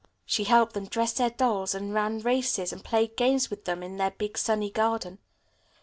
She helped them dress their dolls, and ran races and played games with them in their big sunny garden.